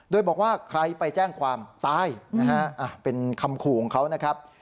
โดยบอกว่าใครไปแจ้งความตายนะฮะเป็นคำขู่ของเขานะครับ